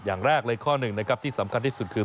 อย่างแรกเลยข้อหนึ่งนะครับที่สำคัญที่สุดคือ